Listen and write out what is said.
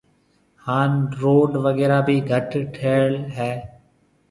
ھان روڊ وغيرھ ڀِي گھٽ ٺھيَََل ھيََََ